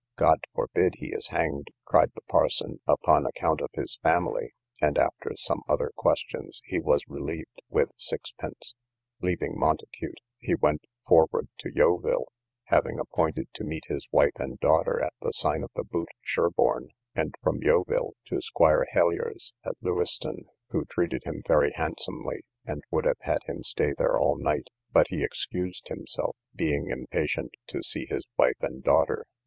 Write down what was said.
God forbid he is hanged, cried the parson, upon account of his family; and after some other questions, he was relieved with sixpence. Leaving Montacute, he went forward to Yeovil, having appointed to meet his wife and daughter at the sign of the Boot, Sherborne, and from Yeovil to Squire Hellier's, at Leweston, who treated him very handsomely, and would have had him stay there all night, but he excused himself, being impatient to see his wife and daughter.